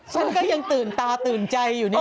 ฉันก็ยังตื่นตาตื่นใจอยู่นี่